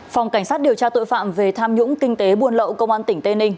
phòng cảnh sát điều tra tội phạm về tham nhũng kinh tế buôn lậu công an tỉnh tây ninh